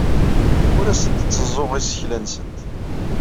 Ur asent-tteẓẓuɣ isekla-nsent.